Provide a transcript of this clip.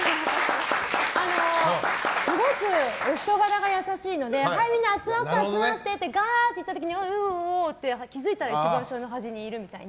すごく、お人柄が優しいのでみんな集まってってなってがーって行った時おうおうって気づいたら一番後ろの端にいるみたいな。